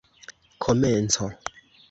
komenco